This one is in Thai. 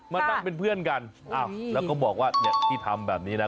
มานั่งเป็นเพื่อนกันอ้าวแล้วก็บอกว่าเนี่ยที่ทำแบบนี้นะ